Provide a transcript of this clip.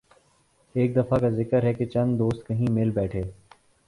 ایک دفعہ کا ذکر ہے کہ چند دوست کہیں مل بیٹھے